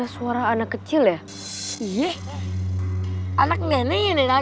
jalan jalan itu ada